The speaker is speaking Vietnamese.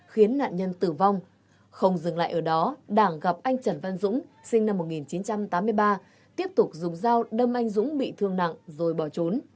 khiến nạn nhân tử vong không dừng lại ở đó đảng gặp anh trần văn dũng sinh năm một nghìn chín trăm tám mươi ba tiếp tục dùng dao đâm anh dũng bị thương nặng rồi bỏ trốn